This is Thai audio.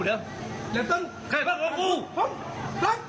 เติ้ลอย่างใจมึงใจกูเป็นข้าราคา